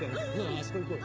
あそこ行こうよ。